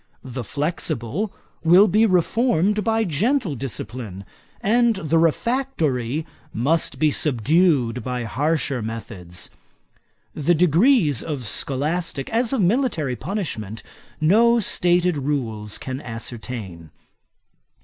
The flexible will be reformed by gentle discipline, and the refractory must be subdued by harsher methods. The degrees of scholastick, as of military punishment, no stated rules can ascertain.